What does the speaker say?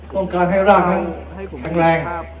ต้องการให้รากนั้นแข็งแรง